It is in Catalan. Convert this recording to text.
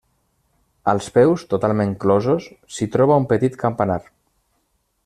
Als peus, totalment closos s'hi troba un petit campanar.